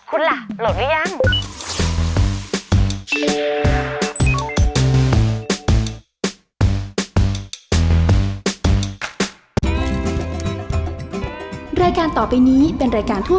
คุณล่ะโหลดหรือยัง